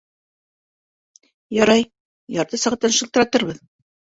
Ярай, ярты сәғәттән шылтыратырбыҙ.